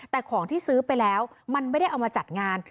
แต่ของที่ซื้อไปแล้วมันไม่ได้เอามาจัดงาน